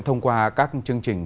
thông qua các chương trình